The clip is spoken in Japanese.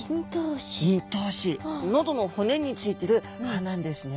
喉の骨についてる歯なんですね。